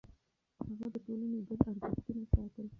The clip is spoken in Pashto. هغه د ټولنې ګډ ارزښتونه ساتل.